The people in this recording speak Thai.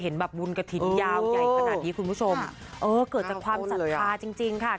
เออเกิดจากความศรัทธาจริงค่ะ